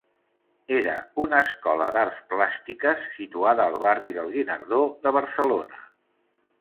Era una escola d'arts plàstiques situada al barri del Guinardó de Barcelona.